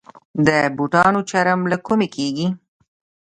د بوټانو چرم له کومه کیږي؟